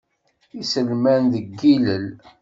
Iselman deg yilel.